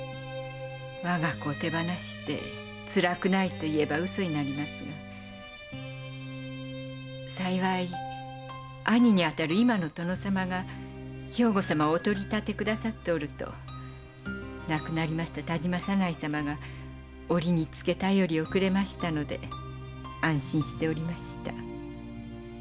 我が子を手放して辛くないと言えば嘘になりますが幸い兄に当たる今の殿様が兵庫様をお取り立てくださっておると亡くなった田島左内様が折につけ便りをくれましたので安心しておりました。